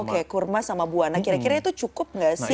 oke kurma sama buah nah kira kira itu cukup gak sih